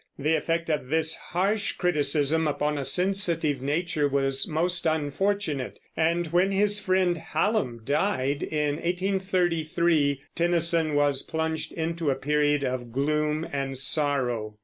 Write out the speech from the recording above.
The effect of this harsh criticism upon a sensitive nature was most unfortunate; and when his friend Hallam died, in 1833, Tennyson was plunged into a period of gloom and sorrow.